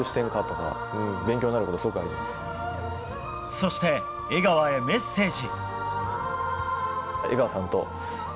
そして、江川へメッセージ。